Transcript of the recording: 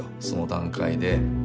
その段階で。